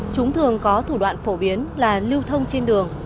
chúng thường có thủ đoạn phổ biến là lưu thông trên đường